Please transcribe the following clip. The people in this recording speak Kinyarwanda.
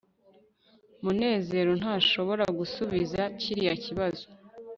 munezero ntashobora gusubiza kiriya kibazo